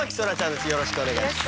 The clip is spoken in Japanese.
よろしくお願いします。